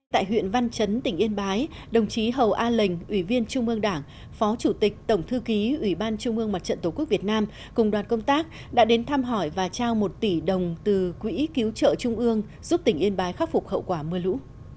tại huyện văn chấn tỉnh yên bái đồng chí hầu a lệnh ủy viên trung ương đảng phó chủ tịch tổng thư ký ủy ban trung ương mặt trận tổ quốc việt nam cùng đoàn công tác đã đến thăm hỏi và trao một tỷ đồng từ quỹ cứu trợ trung ương giúp tỉnh yên bái khắc phục hậu quả mưa lũ